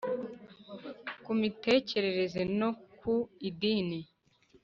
Ku mitekerereze no ku idini.